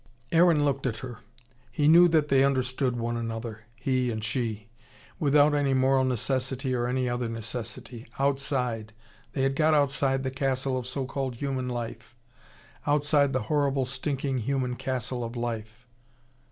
Aaron looked at her. He knew that they understood one another, he and she. Without any moral necessity or any other necessity. Outside they had got outside the castle of so called human life. Outside the horrible, stinking human castle Of life.